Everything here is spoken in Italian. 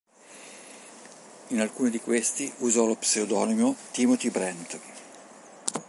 In alcuni di questi usò lo pseudonimo "Timothy Brent".